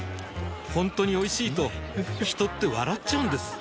ほんとにおいしいと人って笑っちゃうんです